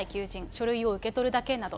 書類を受け取るだけなど。